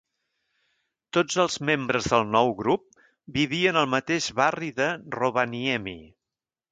Tots els membres del nou grup vivien al mateix barri de Rovaniemi.